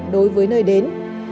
đối với nơi đến